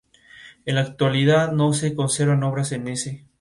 En la actualidad no se conservan obras en ese.